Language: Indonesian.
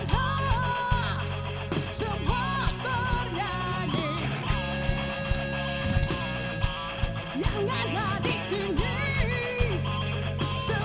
jika kau merasakan kesepian